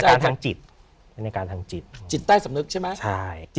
อาการทางจิตเป็นอาการทางจิตจิตใต้สำนึกใช่ไหมใช่